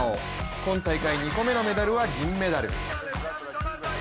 今大会２個目のメダルは銀メダル。